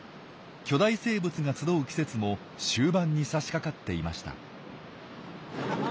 巨大生物が集う季節も終盤にさしかかっていました。